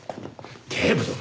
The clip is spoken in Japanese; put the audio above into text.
警部殿！